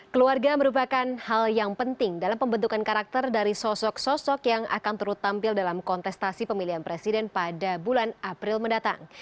keluarga merupakan hal yang penting dalam pembentukan karakter dari sosok sosok yang akan turut tampil dalam kontestasi pemilihan presiden pada bulan april mendatang